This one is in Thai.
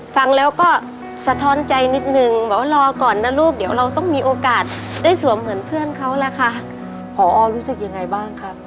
ฟังแล้วก็สะท้อนใจนิดนึงว่ารอก่อนนะลูกเดี๋ยวเราต้องมีโอกาสได้สวมเหมือนเพื่อนเค้าละค่ะ